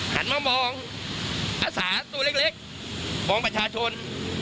หันมามองอาสาตัวเล็กมองประชาชน